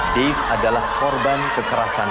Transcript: dave adalah korban kekerasan